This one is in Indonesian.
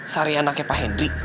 sari anaknya pak hendrik